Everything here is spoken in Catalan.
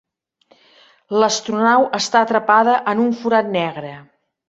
L'astronau està atrapada en un forat negre.